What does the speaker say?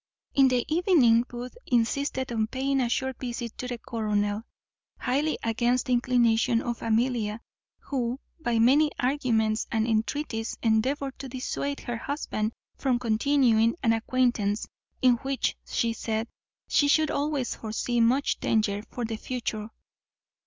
In the evening Booth insisted on paying a short visit to the colonel, highly against the inclination of Amelia, who, by many arguments and entreaties, endeavoured to dissuade her husband from continuing an acquaintance in which, she said, she should always foresee much danger for the future.